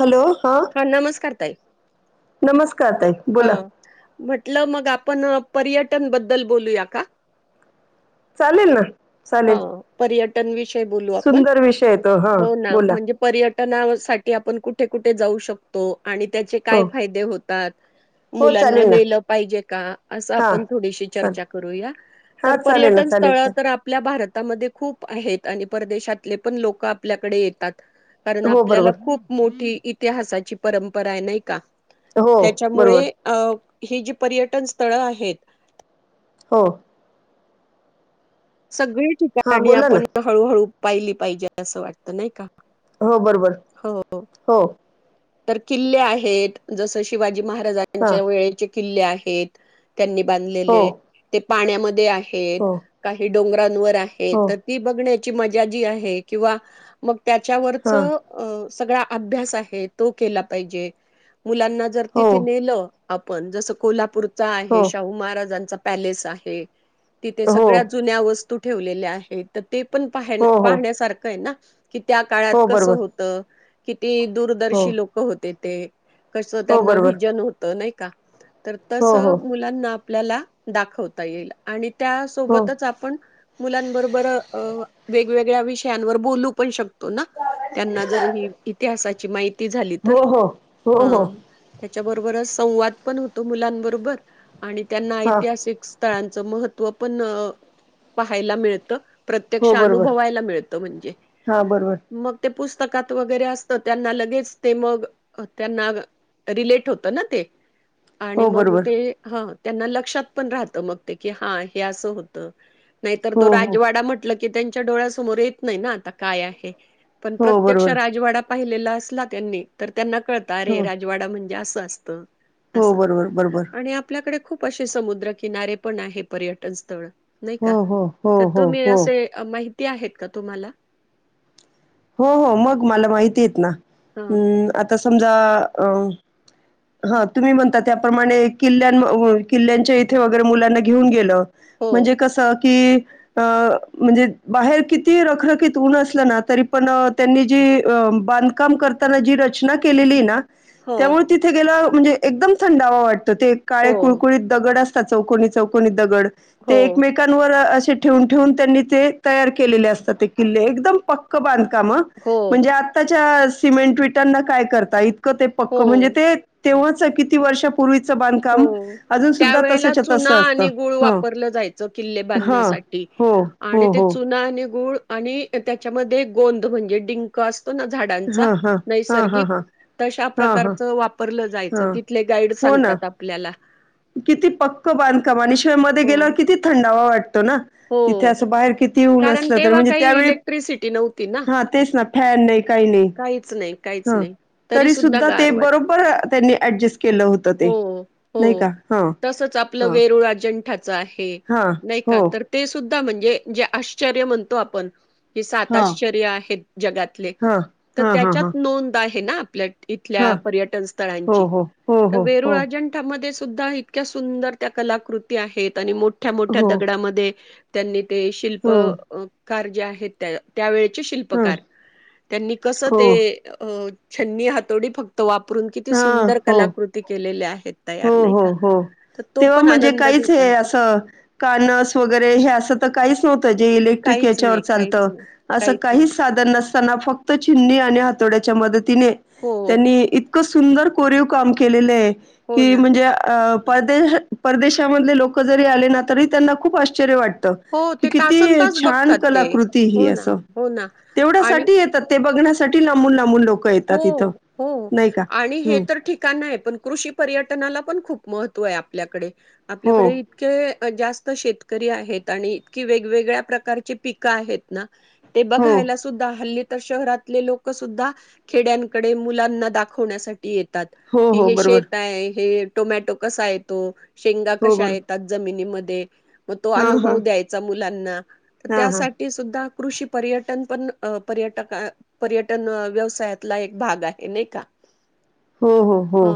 Hello हा नमस्कार ताई नमस्कार ताई हा बोला म्हटलं मग आपण पर्यटन बद्दल बोलूया का चालेल ना हा चालेल पर्यटन विषयी बोलू आपण सुंदर विषय आहे तो हां बोला कुठे कुठे जाऊ शकतो आणि त्याचे हो काय फायदे होतात हो मुलांना चालेल ना नेलं पाहिजे का असं हां आपण थोडीशी चालेल चर्चा करूया हां तर चालेल ना पर्यटन चालेल स्थळ चालेल आपल्या भारतामध्ये खूप आहेत आणि परदेशातले पण लोक आपल्याकडे येतात? कारण हो आपल्याला बरोबर खूप मोठी- इतिहासाची परंपरा आहे नाही का? हो त्याच्यामुळे बरोबर अ- ही जी पर्यटन स्थळं आहेत. हो सगळे हां ठिकाणी बोला ना आपण हळूहळू पाहिली पाहिजे असं वाटत नाही का? हो बरोबर हो. तर किल्ले आहेत जस शिवाजी महाराज. हां च्या वेळेची. किल्ले आहेत त्यांनी हो बांधलेले ते. पाण्यामध्ये आहे. हे हो काही डोंगरांवर. आहे हो तर ती बघण्या- ची मजा जी आहे किंवा मग- हां त्याच्यावरचं अ- सगळा अभ्यास आहेत. तो केला पाहिजे? मुलांना जर हो तिथे नेलं. आपण जसं कोल्हापूर. हो आहे शाहू महाराजांचा- पॅलेस आहे तिथे सगळ्या हो जुन्या वस्तु तू ठेवलेले आहे तर? ते पण पाह हो हो पाहण्यासारखं आहे ना? कि त्या काळात हो कसं बरोबर होत. ते हो दूरदर्शन लोक होतेत. ते कस हो त्यांना बरोबर विजन होत नाही का तर हो तस हो मुलांना आपल्याला दाखवता येईल आणि त्या हो सोबतच आपण मुलांबर [unintelligible] वगवेगळ्या विषयांवर बोलू पण शो त्यांना जर ह इतिहासा ची माहिती झाली हो हो हो हो त्याबरोबर संवाद पण होतो मुलांबरोबर आणि त्यांना हां ऐतिहासिक तळांचं महत्व पण पाहायला मिळत प्रत्यक्ष हो बरोबर अनुभवायला मित म्हणजे हां बरोबर मग पुस्तकात वगैरे असतं त्यांना लगेच ते मग त्यांना रिलेट होत ना ते. आणि हो मग बरोबर ते हा त्यांना लक्षात पण राहत, मग ते की हा हे असं होत. नाही तर हो तो हो राजवाडा म्हटलं त्यांच्या डोळ्या समोर येत नाही ना, आता काय आहे. पण हो प्रत्यक्ष बरोबर राजवाडा पहिलेला असला त्यांनी तर त्यांना कळत हो अरे! राजवाडा म्हणजे असं. असतं. हो असं बरोबर बरोबर आणि आपल्याकडे खूप असे समुद्र किनारे पण आहे पर्यटन स्थळ. नाही हो का? हो हो तर हो तुम्ही हो असे माहि ती आहेत का तुम्हाला? हो हो मग मला माहिती आहेत ना. हं हम्म आता समजा अ ह तुम्ही म्हणता त्याप्रमाणे [unintelligible] किल्यांच्या इथे वगैरे मुलांना घेऊन गेलं हो म्हणजे कसं की अ म्हणजे बाहेर किती रखरखीत उन असलं ना तरी पण अ त्यांनी जी अ बांधकाम करताना जी रचना केलेलीये ना हो त्यामुळं तिथे गेला म्हणजे एकदम थंडावा वाट तो ते काळे हो कुळकुळीत दगड अस तात चौकोनी चौकोनी दगड. हो, ते एकमेकांवर असे ठेवून ठेवून त्यांनी ते तयार केलेले असतात ते किल्ले एकदम प क्क बांध कामं हो, म्हणजे आत्ता च्या सिमेंट विटांना काय करता? इत इतक ते पक्क हो, म्हणजे ते तेव्हाचं किती वर्षापूर्वी हो, त्यावेेळेला चुना तसं असतं आणि गुळ हं वापरलं जायचं, किल्ले हां बांधण्यासाठी हो आणि हो ते हो चुना आणि गुळ आणि ए त्याच्यामध्ये गोंद म्हणजे डिंक अस तोना झाडांचा हां हां हां हां नैसर्गिक हां तशा हां हां प्रकारच वापरलं जायचं हां तिथले गाईड हो ना सांगतात आप कला किती पक्क बांधकाम आणि शिवाय मध्ये हो, गेल्यावर किती थंडावा वाट त ना तिथे हो. असं बाहेर कितीही ऊन कारण असलं तर तेव्हा म्हणजे काही त्यावेळी इलेक्ट्रिसिटी नव्हती ना, हा तेच ना फॅन नाही काही नाही काहीच नाही, काहीच ह नाही. तरी सुद्धा ते गार वाट बरोबर अ त्यांनी ॲडजस्ट केलं होत ते हो, हो. नाही का? हां तसंच आपलं हां वेरुळ अजंठात चा आहे हा नाही हो का? ते सुद्धा म्हणजे जे आश्चर्य म्हणतो आपण हे सात हा आश्चर्य आहेत जगातले हा त हा हा हा त्याच्यात नोंद आहे. हे ना आपल्या हा इथल्या पर्यटन हो स्थळांची हो हो त हो वेरुळ हो अजंठामध्ये स सुद्धा इतक्या सुंदर त्या कलाकृती आहेत आणि मोठ ठ्या मोठ्या हो दगडामध ते त्यांनी ते शिल्प हो अ कार जे आहेत त्या त्यावेळेत चे ह शिल्पकार त्यांनी कसं हो ते अ अ छन्नी, हातोडी फक त वापरून किती हा सुंदर हो कलाकृती केलेल्या आहेत. तयार हो नाही का? हो हो तर तो तेव्हा पण म्हणजे आनंद काहीच घेता हे येतो असं कान स वगैरे हे असं काहीच्हत काहीच इलेक्ट्रिकच्यावर नाही चालत काहीच नाही अस काहीच काही नाही साधन नस ना फक्त चिननी आणि हातोड्याच्या म तने हो त्यांनी इतकं सुंदर कोरीव काम केलेले आहे हो कि ना म्हणजे अ परदेश परदेशामधले लोक जरी आले ना तरी त्यांना खूप आश्चर्य वाटत हो क ते किती तासन तास छान बघतात ते कलाकृती हो ह ना अस हो ना आणि तेवढ्यासाठी येतात ते बघण्या किती लांबून लांबून लोक येतात इथं. हो हो नाही का? आणि हे हं. तर ठिकाण आहे पण कृषी पर्यटनाला पण खूप महत्व आहे आपल्याकडे हो, आपल्याकडे इतके जास्त शेतकरी आहेत आणि इतकी वेगवेगळ्या प्रकारची पिकं आहेत ना. ते हो, बघायला सुद्धा हल्ली. तर शहरातले लोक सुद्धा खेड्यांकडे मुलांना दाखवण्यासाठी येतात हो, की हो. हे बरोबर. शेत आहे हे. टोमॅटो कसा येतो. शेंगा हो कशा बरो येतात जमिनीमध्ये ते मग तो हां हां अनुभव द्यायचा मुलांना तर हां हां त्यासाठी सुद्धा कृषी पर्यटन पण पर्यटक पर्यटन व्यवसायात आपला एक भाग आहे नाही का हो हो हो हा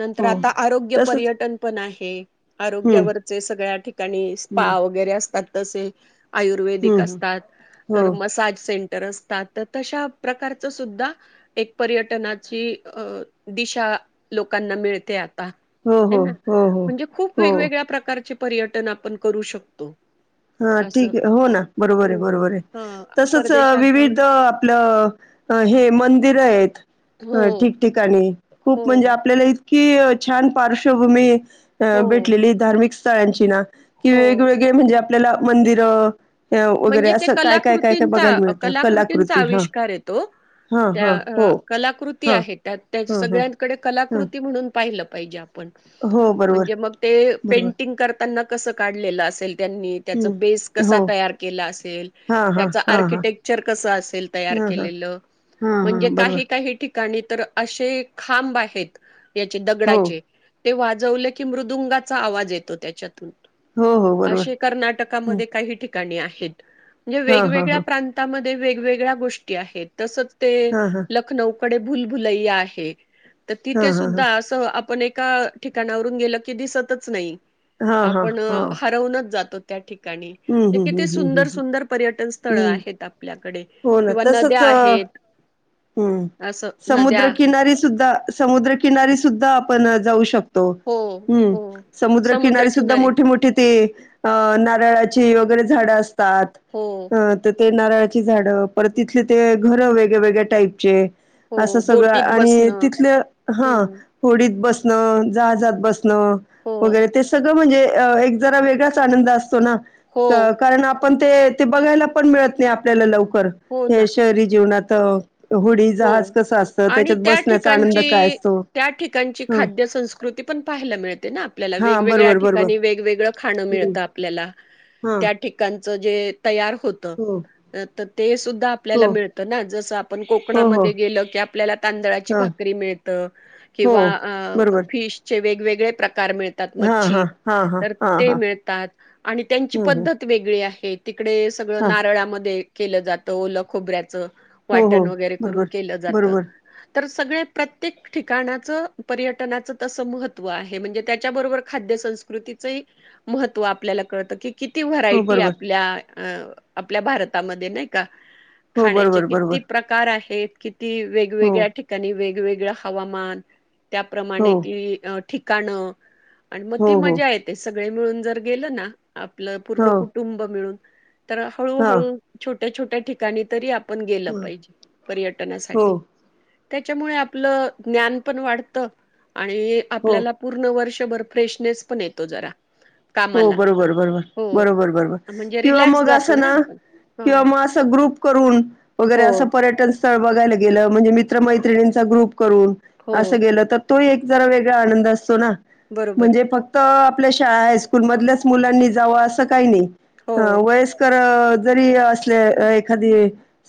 नंतर हो आता आरोग्य तसच पर्यटन पण आहे. एक हम्म आरोग्यावरचे सगळ्या ठिकाणी स्पा हम्म वगैरे असतात. तसे आयुर्वेदिक हम्म असतात हो तर मसाज सेंट. तर असतात तर तशा प्रकारच सुद्धा एक पर्यटनाची अ दिशा लोकांना मिळते. हो हो हो हो म्हणजे खूप हो वेगगळ्या प्रकार पर्यटन आपण करू शकतो. हा असं ठीक आहे हो ना बरोबर आहे, हम्म बरोबर आहे हा तसच परदेशात जाऊ विविध आपलं हे म तिरेत. हो ह ठिकठिकाणी. खूप हो म्हणजे आपल्याला. कि छान पार्श्वभूमी. अ हो भेटलेली धार्मिक. ळ्यांची ना. कि हो क म्हणजे [unintelligible] आपल्याला मंदिर. म्हणजे ते कलाकृतींचा मिळतं कलाकृतींचा कलाकृती हा आविष्कार येतो, हां, हां. हो. त्या कलाकृती हां, आहे, त्या त्या हां, हां, सगळ्यांकडे हां. कलाकृती म्हणून पाहिलं. पऐजा. हो, म्हण बरोबर, म बरोबर. पें [unintelligible] कसं काढलेलं असेल. त्यांनी त्याचा हं. बेस कसा हो. तयार. म्हण हां, हां, हां, हां. का हां, हां. हां, हां. बरोबर. का ठ [unintelligible] णी तर असे खांब आहेत [unintelligible] याचे हो. दगडाचे. ते वाजवले की मृदुंगाचा आवाज येतो त्याच्यातून. हो, हो. बरोबर. असे हं. कर्नाटकामध्ये काही ठिका करणे आहे. वेग हां, हां, वेगळ्या हां. प्रांता म. [unintelligible] वेगवेगळ्या गोष्टी आहेत तसच. ते हां, हां. लखनऊ. बडे भुलभुल आहे. तर हां, तिथे हां, हां. सुद्धा असं आपण एक. ए ठिकाणावरून गेलं की दिसतच नाही. हां, हां, आपण हां. हरवूनच जातो. त्या ठठी. काणी हं, ते हं, किती. ते हं, हं, सुंदर हं, हं. सुंदर पर्यटन. स्थळ हं. आहेत आपल्याकडे हो ना. किंवा तसंच नद्या अ आहेत असं नद्या. ा समुद्रकिनारी सुद्धा आपण जाऊ शकतो. हो, ्म हो. समुद्रकिनारी सुद्धा समुद्रकिनारे मोठी मोठी ते अ नारळाची वगरे. झाडं अस हो तर ते नारळाची झाडं परत तिथले ते घरं वेगळ्या वेगळ्या टाईपचे हो. असं सगळं बोटीत आणि बसणं. तिथलं हां हं. होडीत बस जहाजात बस हो, वगैरे ते सगळं म्हणजे एक जरा वेगळाच आनंद असत हो ना हो. कारण पण ते ते बघायला पण मिळत नाही आपल्याला लव बर हो ह्या ना. शहरी जीवनात तर हो आणि त्या बसण्याचा आनंद काय ठिकाणची असतो त्या ठिकाणची ह खाद्य संस्कृती पण पाहायला मिळते ना आपल्याला हा वेगवेगळ्या बरोबर बरोबर ठिकाणी वेगवेगळं खाणं हम्म मिळतं आपल्याला हा त्या ठिका जं जे तयार होतं. हो ते सुद् आपल्याला हो मिळत ना जस हो हो कोणामध्ये गेलं की अ आपल्याला तांदळाची हा भाकरी मिळते. त. हो किंवा बरोबर फिश जे वे वेगळे प्रका प्रकार मिळतात हा मच्छी, हा हा हा तर हा ते हा मिळतात आणि त्यांची हो हो पद्धत वेगळी आहे. तिकडे सगळं हा नारळांमध्ये केलं जातं ओलं खोबऱ्याचं. हो हो वाटणं वगैरे करून बरोबर केलं जातं. बरोबर तर सगळे प्रत्येक ठिकाणाचं पर्यटनाचं तसं महत्त्व आहे म्हणजे, त्याच्याबरोबर खाद्य संस्कृतीचंही महत्त्व आपल्याला कळतं की किती हो व्हरायटी बरोबर आपल्या अ आपल्या भारतामध्ये नाही का? हो खाण्याचे बरोबर बरोबर किती प्रकार आहे. [unintelligible] ती हो वेगवेगळ्या ठिकाणी वेगवेग वेगळ हवामान. हो त्याप्रमाणे ती अट ठिकाणं. आणि मग हो ती हो मजा येते सग ळे मिळून जर गेलं ना. आपलं पूर्ण हो कुटुंब मिळून. तर हा हळूहळू छोट त्या छोट्या ठिकाणी तरी आप पण गेलं हो पाहिजे. हो पर्यटनासाठी. त्याच्यामुळे आपलं ज्ञान पण वाढत. आणि हो आपल्याला पूर्ण वर्ष दिवसभर फ्रेशनेस पन येतो जरा. हो कामाला. बरोबर बरोबर हो. बरोबर बरोबर म्हणजे किंवा रिलॅक्स मग असं जातो ना आपण. किंवा हां. मग असं ग्रुप करून वगैरे हो, असं पर्यटन स्थळ बघायला गेलं म्हणजे मित्र मैत्रणींचा ग्रुप करून हो. अस गेलं तर तो हि एक जरा वेगळा आनंद असतो ना. बरोबर. म्हणजे फक्त अं आपल्या शाळा स्कूलमधल्याच मुलांनी जावं असं काही नाही. हो, हा वयस्कर स्री असल एखादी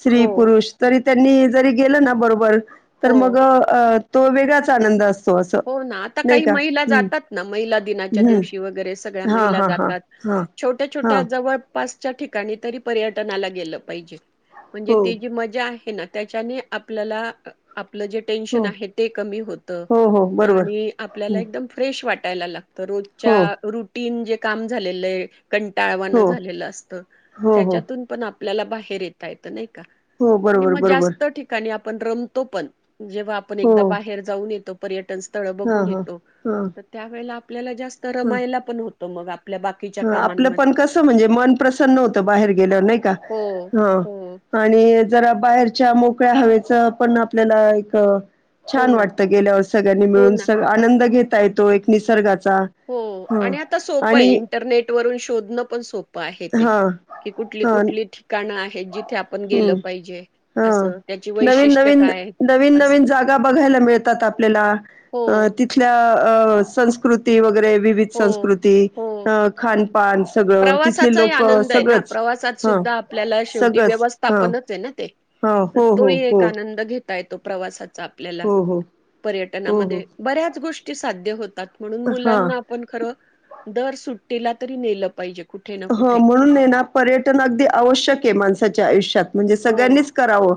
स्त्री हो, पुरुष तरी त्यांनी जरी गेलं ना बरोबर तर हो. मग अ अ तो वेगळाच आनंद असतो. असं हो ना आता नाही काही का महिला हम्म जातात ना महिला दिनाच्या हम्म दिवशी वगैरे सगळ्या हा महिला हा हा जातात हा छोट्या हा छोट्या जवळ पासच्या ठिकाणी तरी पर्यटनाला गेलं पाहिजे. म्हणजे हो ति जी मजा आहे. ना त्याच्यानी आपल्याला आपल्या- आपलं जे हो टेन्शन आहे ते कमी होत. हो हो बरोबर आणि आपल्याला हं. एकदम फ्रेश वाटते. यायला लाग तर रोजच्या हो रुटीन जे- काम झालेलं आहे. कंटाळवान हो झालेलं असत हो हो त्याच्यातून पण आपण आपल्याला बाहेर येता येत नही. हो बरोबर मग बरोबर जास्त ठिकाणी आप पण रमतो पण. जेव्हा आपण हो एकदा बाहेर जाऊन येतो. पर्यटन स्थ स्थळ हां बघून हां येतो हां तर त्यावेळेला आपल्याला जास्त रमायला पण होत तर मग आप ह आपलं पण कस म्हणजे मन प्रसन्न होत बाहेर गेलं नाही का? हो, हो, ह आणि जरा बाहेर- च्या मोकळ्या हवेच पण आपल्याला एक- हो छान ना, वाटतं गेल्यावर सगळ्यांनी हो मिळून ना, स आनंद घेत तो एक निसर्गा हो आणि आता सोपं आहे इंटरनेट वरून शोधण पण सोप आहे ते हा की कुठली हा कुठली ठिकाण आहे? हम्म हा असं त्याची नवीन वैशिष्ट्य -नवीन- काय आहेत, नवीन- असं. नवीन जागा बघायला मिळतात आपल्याला हो, तिथल्या संस्कृती वगैरे विविध हो, संस्कृती हो. खानपान सगळं तिथले प्रवासाचाही लोक आनंद आहे ना, सगळंच. प्रवासात ह. सुद्धा आपल्याला शेवटी व्यवस्थापनच आहे ना ते हां. हो, तो हो, हो, एक आनंद घेत ताय तो प्रवासात आपल्याला हो, हो, हो, हो. पर्यटनामध्ये बऱ्याच गोष्टी ची साध्य हो तात म्हणून हां. मुलांना खर दर सुट्टीला तरी नेल हो म्हणून ये ना पर्यटन अगदी आवश्यक आहे, माणस साच्या आयुष्यात. म्हणजे हो सगळ्यांनीच कराव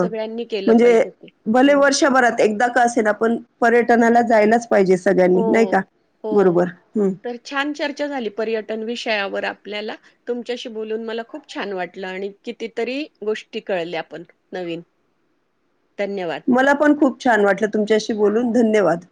सगळ्यांनी केलं पाहिजे ते भले हो वर्षभरात एकेदा का असेना! पण पर्य टनाला जायलाच पाहिजे हो सगळ्यांनी नाही का? हो बरोबर हं तर छान चर्चा झाली पर्यटन विषयावर आपल्याला तुमच्याशी बोलून मला खूप छान वाटल, आणि कितीतरी गोष्टी कळल्या पण नवीन धन्यवाद मला पण खूप छान वाटलं तुमच्याशी बोलून धन्यवाद.